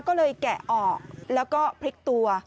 ก็เลยแกะออกแล้วก็พลิกตัว